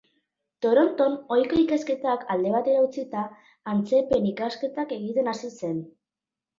Toronton, ohiko ikasketak alde batera utzita, antzezpen-ikasketak egiten hasi zen.